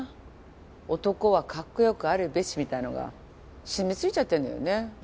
男はカッコよくあるべしみたいのが染みついちゃってるのよね